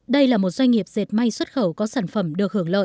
đây là một doanh nghiệp dệt may xuất khẩu có sản phẩm được hưởng lợi